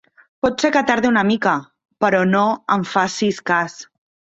Pot ser que tardi una mica, però no en facis cas.